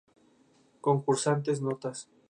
Concursantes Notas